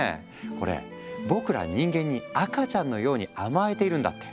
これ僕ら人間に赤ちゃんのように甘えているんだって。